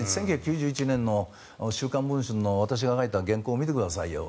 １９８１年の「週刊文春」の私が書いた原稿を見てくださいよ。